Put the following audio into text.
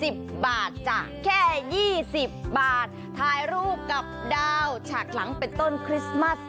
สิบบาทจ้ะแค่ยี่สิบบาทถ่ายรูปกับดาวฉากหลังเป็นต้นคริสต์มัส